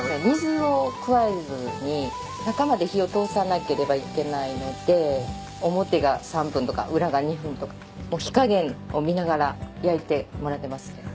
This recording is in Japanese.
水を加えずに中まで火を通さなければいけないので表が３分とか裏が２分とか火加減を見ながら焼いてもらってます。